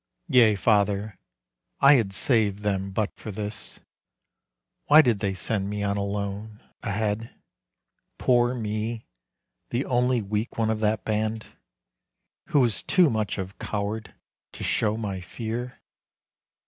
Yea, Father, I had saved them but for this; Why did they send me on alone, ahead, Poor me, the only weak one of that band, Who was too much of coward to show my fear?